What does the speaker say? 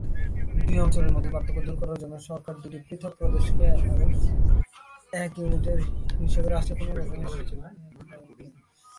দুই অঞ্চলের মধ্যে পার্থক্য দূর করার জন্য সরকার দুইটি পৃথক প্রদেশকে এক ইউনিট হিসেবে রাষ্ট্রের পুনর্গঠনের সিদ্ধান্ত নেয়।